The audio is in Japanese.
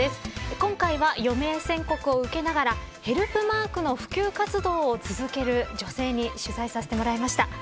今回は、余命宣告を受けながらヘルプマークの普及活動を続ける女性に取材してもらいました。